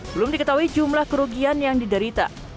belum diketahui jumlah kerugian yang diderita